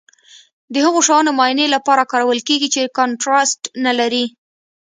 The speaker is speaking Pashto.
د هغو شیانو معاینې لپاره کارول کیږي چې کانټراسټ نه لري.